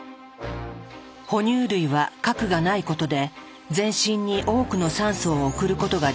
哺乳類は核がないことで全身に多くの酸素を送ることができた。